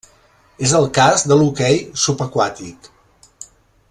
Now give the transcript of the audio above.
És el cas de l'hoquei subaquàtic.